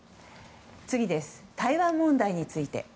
次です、台湾問題について。